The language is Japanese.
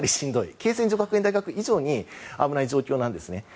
恵泉女学園大学以上に危ない状況なんですね。